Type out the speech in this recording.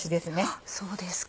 あっそうですか。